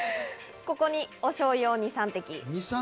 ここに、おしょうゆを２３滴。